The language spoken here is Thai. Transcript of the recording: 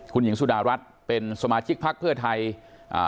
คุณหญิงสุดารัฐเป็นสมาชิกพักเพื่อไทยอ่า